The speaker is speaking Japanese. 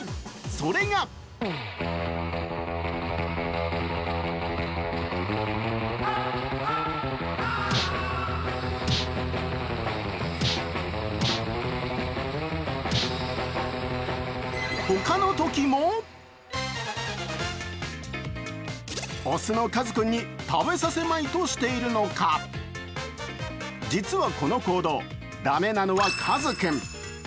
それが他のときも雄のかずくんに食べさせまいとしているのか実はこの行動、駄目なのはかずくん。